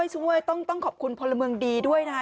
ช่วยต้องขอบคุณพลเมืองดีด้วยนะคะ